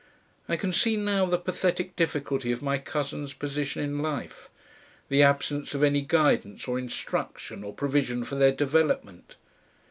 I can see now the pathetic difficulty of my cousins' position in life; the absence of any guidance or instruction or provision for their development.